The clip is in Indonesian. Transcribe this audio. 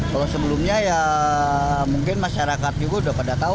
kalau sebelumnya ya mungkin masyarakat juga udah pada tau